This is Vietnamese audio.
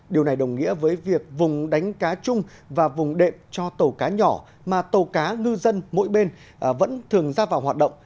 điều này đồng nghĩa với việc vùng đánh cá chung và vùng đệm cho tàu cá nhỏ mà tàu cá ngư dân mỗi bên vẫn thường ra vào hoạt động